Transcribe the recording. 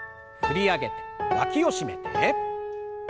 振り上げてわきを締めて。